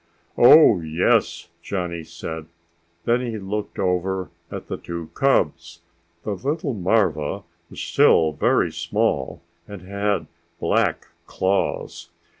"Oh, yes!" Johnny said. Then he looked over at the two cubs. The little marva was still very small and had black claws.